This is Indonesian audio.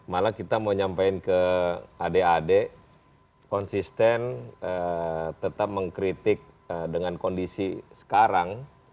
malah kita mau nyampein ke adek adek konsisten tetap mengkritik dengan kondisi sekarang